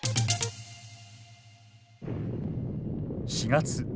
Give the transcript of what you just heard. ４月。